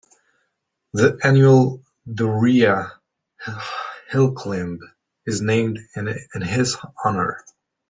The annual Duryea Hillclimb is named in his honor.